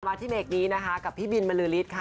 มาที่เมกนี้นะคะกับพี่บินมะลือลิดค่ะ